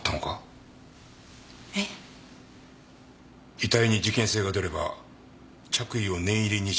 遺体に事件性が出れば着衣を念入りに調べられてしまう。